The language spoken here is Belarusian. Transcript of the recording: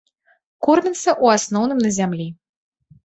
Кормяцца, у асноўным, на зямлі.